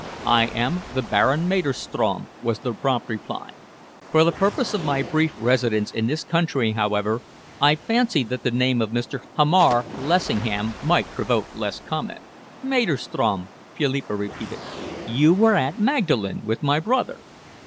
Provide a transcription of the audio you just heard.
"I am the Baron Maderstrom," was the prompt reply. "For the purpose of my brief residence in this country, however, I fancy that the name of Mr. Hamar Lessingham might provoke less comment." "Maderstrom," Philippa repeated. "You were at Magdalen with my brother."